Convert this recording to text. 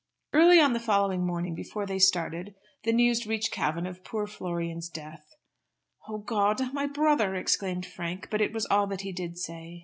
Early on the following morning before they started the news reached Cavan of poor Florian's death. "Oh God! My brother!" exclaimed Frank; but it was all that he did say.